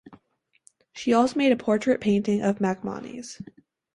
She also made a portrait painting of MacMonnies.